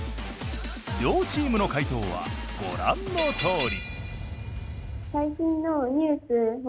両チームの解答はご覧のとおり。